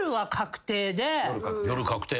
夜確定。